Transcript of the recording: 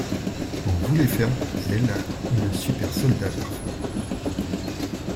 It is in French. On voulait faire d'elle le super-soldat parfait.